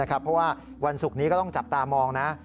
เพราะว่าวันศุกร์นี้ก็ต้องจับตามองนะ